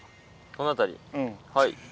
この辺りはい。